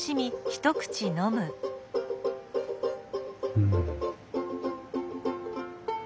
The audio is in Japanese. うん。